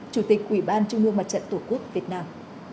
chủ tịch ủy ban trung ương mặt trận tổ quốc việt nam